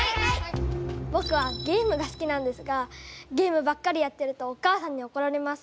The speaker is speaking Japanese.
ぼくはゲームが好きなんですがゲームばっかりやってるとお母さんにおこられます。